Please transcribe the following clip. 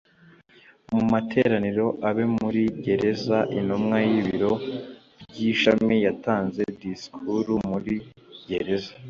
mu materaniro abera muri gereza intumwa y’ ibiro by’ ishami yatanze disikuru muri gereza.